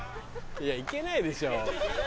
いや行けないでしょ。